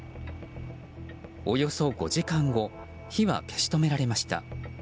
およそ５時間後火は消し止められました。